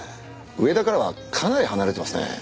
上田からはかなり離れてますね。